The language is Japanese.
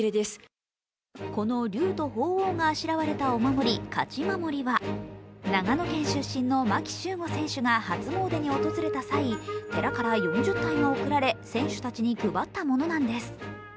この龍と鳳凰があしらわれたお守り・勝守は長野県出身の牧秀悟選手が初詣に訪れた際、寺から４０体が贈られ、選手たちに配ったものなんです。